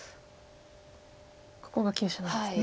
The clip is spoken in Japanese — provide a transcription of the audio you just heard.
ここが急所なんですね。